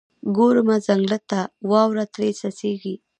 ګورمه ځنګله ته، واوره ترې څڅیږي